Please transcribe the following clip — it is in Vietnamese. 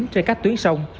trên các tuyến sông